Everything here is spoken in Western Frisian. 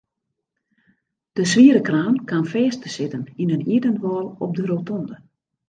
De swiere kraan kaam fêst te sitten yn in ierden wâl op de rotonde.